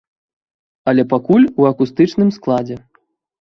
Але пакуль у акустычным складзе.